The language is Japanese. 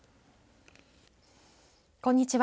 こんにちは。